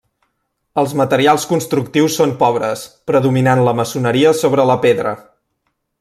Els materials constructius són pobres, predominant la maçoneria sobre la pedra.